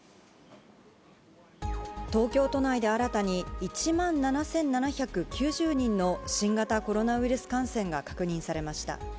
東京都内で新たに１万７７９０人の新型コロナウイルス感染が確認されました。